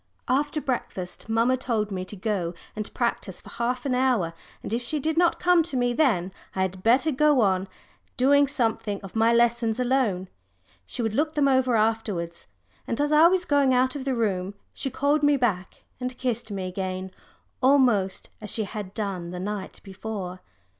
After breakfast mamma told me to go and practise for half an hour, and if she did not come to me then, I had better go on doing some of my lessons alone. She would look them over afterwards. And as I was going out of the room she called me back and kissed me again almost as she had done the night before.